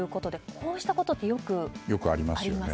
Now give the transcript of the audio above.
こうしたことってよくありますね。